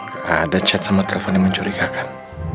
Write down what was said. gak ada chat sama telepon yang mencurigakan